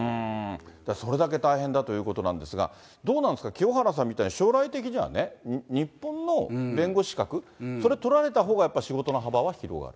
それだけ大変だということなんですが、どうなんですか、清原さんみたいに、将来的にはね、日本の弁護士資格、それ、取られたほうが仕事の幅は広がる？